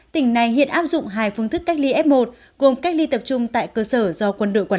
tỉnh này hiện áp dụng hai phương thức cách ly f một gồm cách ly tập trung tại cơ sở do quân đội quản